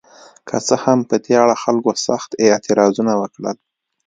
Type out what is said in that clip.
که څه هم په دې اړه خلکو سخت اعتراضونه وکړل.